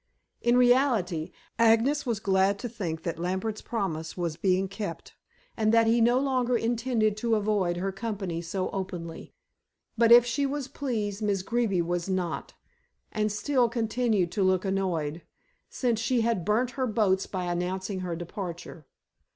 In reality, Agnes was glad to think that Lambert's promise was being kept, and that he no longer intended to avoid her company so openly. But if she was pleased, Miss Greeby was not, and still continued to look annoyed, since she had burnt her boats by announcing her departure.